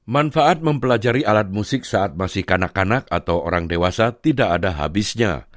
manfaat mempelajari alat musik saat masih kanak kanak atau orang dewasa tidak ada habisnya